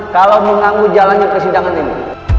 kalau menganggu jalannya kesidangan ini